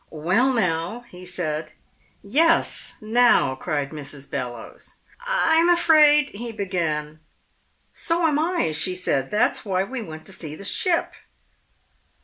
"Well, now," he said. "Yes, now!" cried Mrs. Bellowes. "I'm afraid " he began. "So am I!" she said. "That's why we want to see the ship!"